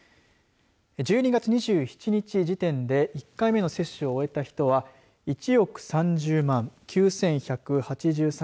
１２月２７日時点で１回目の接種を終えた人は１億３０万９１８３